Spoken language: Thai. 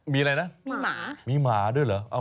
มีอะไรนะมีหมาด้วยเหรอ